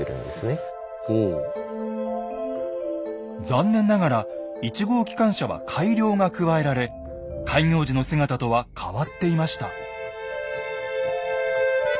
残念ながら１号機関車は改良が加えられ開業時の姿とは変わっていました。